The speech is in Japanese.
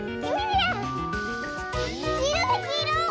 きいろだきいろ！